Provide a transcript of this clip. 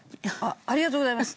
ありがとうございます。